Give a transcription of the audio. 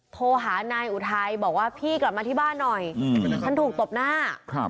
โทรหานายอุทัยบอกว่าพี่กลับมาที่บ้านหน่อยฉันถูกตบหน้า